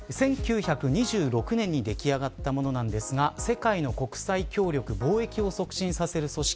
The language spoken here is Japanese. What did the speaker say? １９２６年に出来上がったものですが世界の国際協力・貿易を促進させる組織